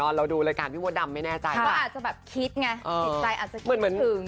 ใจอาจจะกินถึง